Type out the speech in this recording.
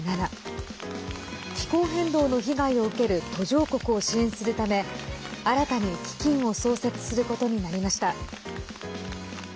気候変動の被害を受ける途上国を支援するため新たに、基金を創設することになりました。